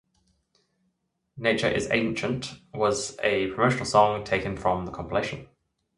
"Nature Is Ancient" was a promotional song taken from the compilation.